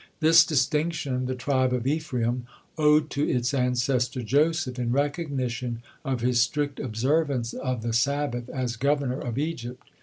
This distinction the tribe of Ephraim owed to its ancestor Joseph in recognition of his strict observance of the Sabbath as governor of Egypt.